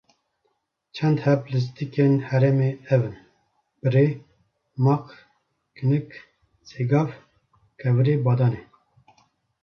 çend heb lîstikên herêmê ev in: Birê, maq, qinik, sêgav, kevirê badanê